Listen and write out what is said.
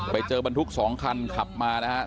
ไปเจอบนทุกสองคัยขับมานี่นะคะ